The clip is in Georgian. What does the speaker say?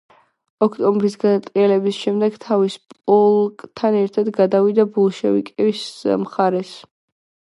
ოქტომბრის გადატრიალების შემდეგ თავის პოლკთან ერთად გადავიდა ბოლშევიკების მხარეს.